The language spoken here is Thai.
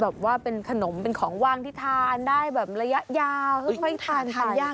แบบว่าเป็นขนมเป็นของว่างที่ทานได้ระยะยาวเพื่อให้ทาน